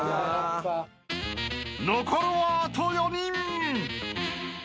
［残るはあと４人］